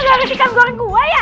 lu gak ngasih ikan goreng gua ya